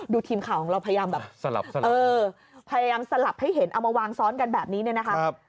ดูทีมข่าวของเราพยายามสลับให้เห็นเอามาวางซ้อนกันแบบนี้เนี่ยนะครับ